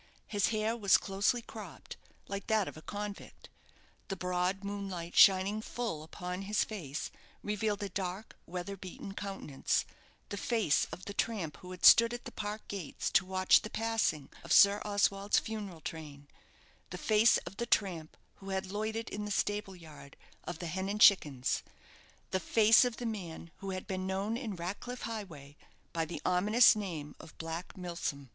His hair was closely cropped, like that of a convict. The broad moonlight shining fall upon his face, revealed a dark, weather beaten countenance the face of the tramp who had stood at the park gates to watch the passing of Sir Oswald's funeral train the face of the tramp who had loitered in the stable yard of the "Hen and Chickens" the face of the man who had been known in Ratcliff Highway by the ominous name of Black Milsom.